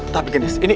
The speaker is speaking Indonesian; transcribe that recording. tapi kedis ini